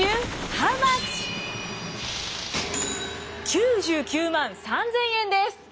９９万３，０００円です！